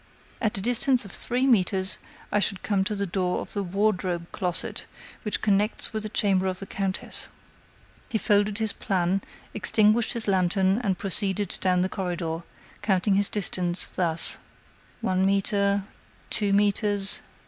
At a distance of three metres, I should come to the door of the wardrobe closet which connects with the chamber of the countess." He folded his plan, extinguished his lantern, and proceeded down the corridor, counting his distance, thus: "One metre.... two metres....